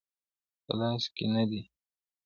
په لاس کي نه دی.